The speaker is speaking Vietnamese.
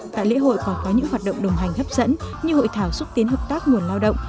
tại lễ hội còn có những hoạt động đồng hành hấp dẫn như hội thảo xúc tiến hợp tác nguồn lao động